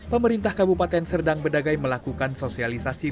pemerintah kabupaten serdang bedagai melakukan sosialisasi